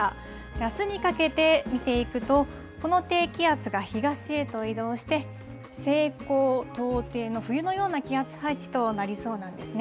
あすにかけて見ていくと、この低気圧が東へと移動して、西高東低の冬のような気圧配置となりそうなんですね。